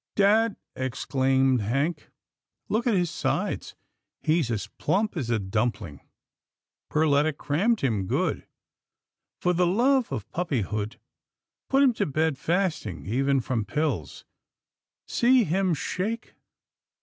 " Dad," exclaimed Hank, " look at his sides. He's as plump as a dumpling. Perletta crammed him good. For the love of puppyhood, put him to bed fasting, even from pills — See him shake.